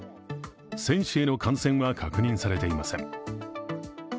選手への感染は確認されていません。